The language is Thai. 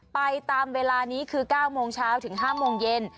ไปตามเวลานี้คือ๙โมงเช้าถึง๕โมงเย็น